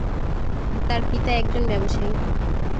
তার পিতা একজন ব্যবসায়ী।